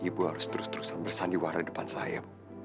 ibu harus terus terusan bersandiwara depan saya